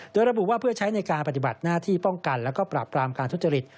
โดยระบุว่าเพื่อใช้ในการปฏิบัติหน้าที่ป้องกันแล้วก็ปราบปรามการทุจริต